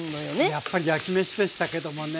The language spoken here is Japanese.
やっぱり焼きめしでしたけどもね。